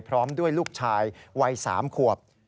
พร้อมด้วยลูกชายวัย๓ขวบ